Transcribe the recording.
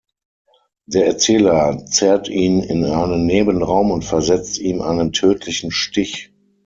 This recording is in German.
Der Erzähler zerrt ihn in einen Nebenraum und versetzt ihm einen tödlichen Stich.